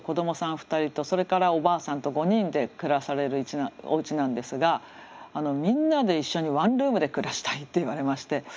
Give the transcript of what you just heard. ２人とそれからおばあさんと５人で暮らされるおうちなんですがみんなで一緒にワンルームで暮らしたいって言われまして。